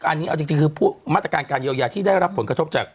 อันนี้เอาจริงคือมาตรการการเยียวยาที่ได้รับผลกระทบจาก